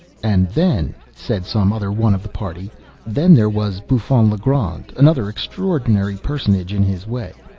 "And then," said some other one of the party,—"then there was Bouffon Le Grand—another extraordinary personage in his way.